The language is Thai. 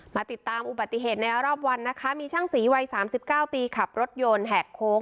มาติดตามอุบัติเหตุในรอบวันนะคะมีช่างศรีวัย๓๙ปีขับรถยนต์แหกโค้ง